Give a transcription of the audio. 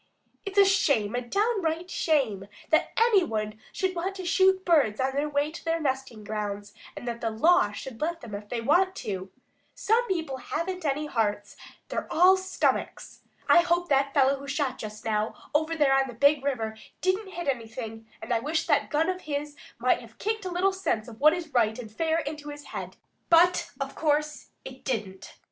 "It's a shame, a downright shame that any one should want to shoot birds on their way to their nesting grounds and that the law should let them if they do want to. Some people haven't any hearts; they're all stomachs. I hope that fellow who shot just now over there on the Big River didn't hit anything, and I wish that gun of his might have kicked a little sense of what is right and fair into his head, but of course it didn't."